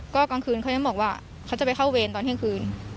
ก็กลางคืนเขายังบอกว่าเขาจะไปเข้าเวรตอนเที่ยงคืน